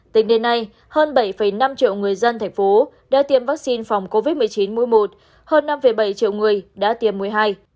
tính đến nay hơn bảy năm triệu người dân thành phố đã tiêm vaccine phòng covid một mươi chín mũi một hơn năm bảy triệu người đã tiêm mũi hai